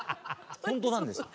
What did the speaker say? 本当なんです。